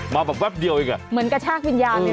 มาแบบแบบเดียวอีกอ่ะเหมือนกระชากวิญญาณนี่นะ